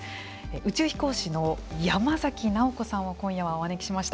宇宙飛行士の山崎直子さんを今夜はお招きしました。